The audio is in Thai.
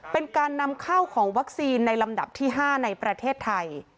เป็นการนำเข้าของวัคซีนในลำดับที่๕ในประเทศไทย